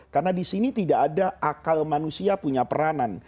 karena disini tidak ada akal manusia punya peranan